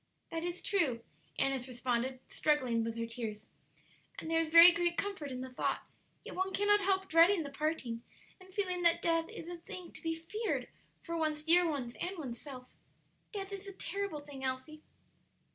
"That is true," Annis responded, struggling with her tears, "and there is very great comfort in the thought; yet one cannot help dreading the parting, and feeling that death is a thing to be feared for one's dear ones and one's self. Death is a terrible thing, Elsie."